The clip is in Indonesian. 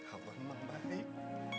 hampir memang baik